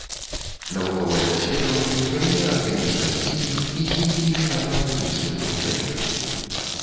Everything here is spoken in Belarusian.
Навуковыя даследаванні ў галіне арганічнай хіміі і хіміі металаарганічных злучэнняў.